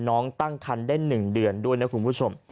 น้องตั้งคันได้๑เดือนด้วยนะคุณผู้ชม